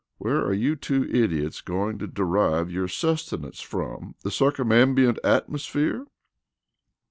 "Where are you two idiots going to derive your sustenance from the circumambient atmosphere?"